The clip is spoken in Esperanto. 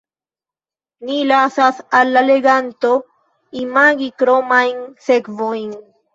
Ni lasas al la leganto imagi kromajn sekvojn.